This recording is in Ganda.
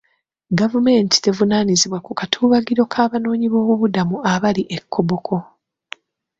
Gavumenti tevunaanyizibwa ku katuubagiro k'abanoonyiboobubudamu abali e Koboko.